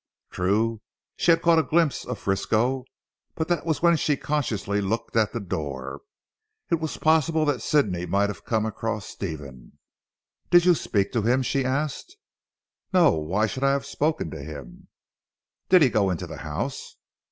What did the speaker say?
True she had caught a glimpse of Frisco. But that was when she consciously looked at the door. It was possible that Sidney might have come across Stephen. "Did you speak to him?" she asked. "No. Why should I have spoken to him?" "Did he go into the house?"